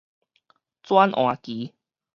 轉換期